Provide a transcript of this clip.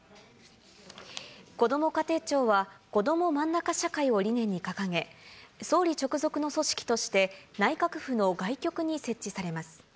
こども家庭庁は、こどもまんなか社会を理念に掲げ、総理直属の組織として、内閣府の外局に設置されます。